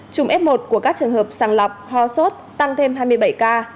chủng f một của các trường hợp sàng lọc hòa sốt tăng thêm hai mươi bảy ca